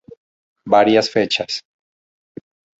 Varias fechas.